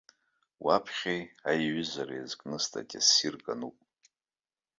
Уаԥхьеи, аиҩызара иазкны статиа ссирк ануп.